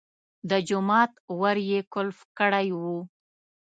د جومات ور یې قلف کړی و.